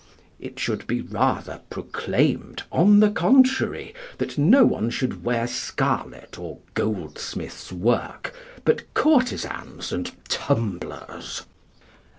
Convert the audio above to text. It should be rather proclaimed, on the contrary, that no one should wear scarlet or goldsmiths' work but courtesans and tumblers.